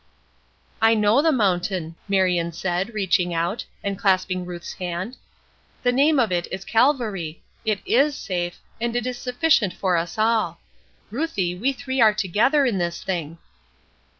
"I know the mountain;" Marion said, reaching out, and clasping Ruth's hand. "The name of it is Calvary, it is safe, and it is sufficient for us all. Ruthie, we three are together in this thing."